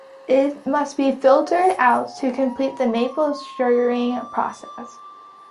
It must be filtered out to complete the maple sugaring process.